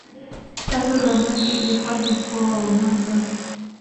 chato zamani ilikuwa ni mkoa wa mwanza